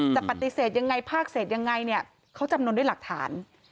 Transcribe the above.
จะปฏิเสธยังไงภาคเศษยังไงเนี่ยเขาจำนวนด้วยหลักฐาน